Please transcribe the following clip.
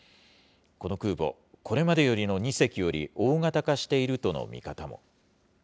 この空母、これまでよりの２隻より大型化しているとの見方も。